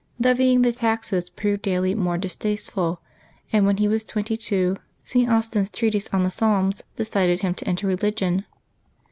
Levying the taxes proved daily more distasteful, and when he was twenty two, St. Austin's treatise on the Psalms decided him to enter religion.